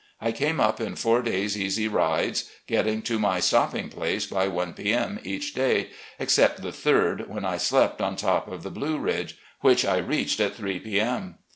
I came up in four days' easy rides, getting to my stopping place by one p.M. each day, except the third, when I slept on top of the Blue Ridge, which I reached at three p.m.